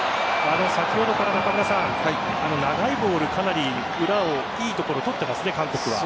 先ほどから長いボール、かなり裏をいいところ取っていますね韓国は。